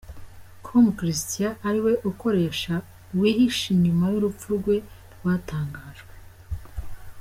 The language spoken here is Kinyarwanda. com Christian ari we ukoresha wihishe inyuma y'urupfu rwe rwatangajwe.